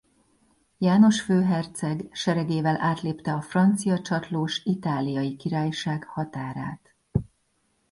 János főherceg seregével átlépte a francia csatlós Itáliai Királyság határát.